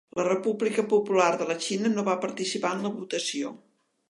La República Popular de la Xina no va participar en la votació.